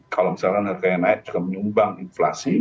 kalau misalnya harga yang naik juga menyumbang inflasi